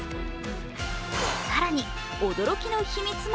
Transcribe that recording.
更に驚きの秘密も。